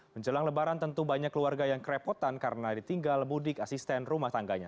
menjelang lebaran tentu banyak keluarga yang kerepotan karena ditinggal mudik asisten rumah tangganya